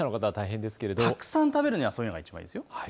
たくさん食べるにはそういうのがいいですね。